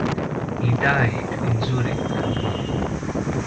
He died in Zurich.